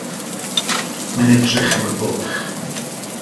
Mae'n edrych am y bwlch.